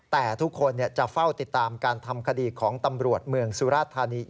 แต่ทุกคนจะเฝ้าติดตามการทำคดีของตำรวจเมืองสุราธานี